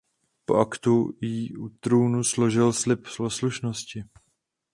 Po aktu jí u trůnu složil slib poslušnosti.